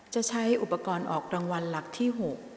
จะใช้อุปกรณ์ออกรางวัลหลักที่๖